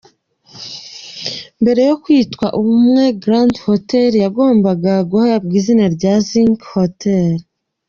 Mbere yo kwitwa Ubumwe Grande Hotel, yagombaga guhabwa izina rya Zinc Hotel.